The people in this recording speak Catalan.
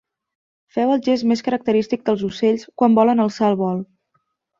Feu el gest més característic dels coells quan volen alçar el vol.